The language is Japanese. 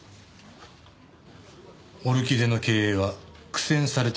オルキデの経営は苦戦されていたようですね。